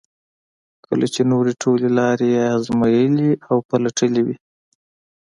کله چې نورې ټولې لارې یې ازمایلې او پلټلې وي.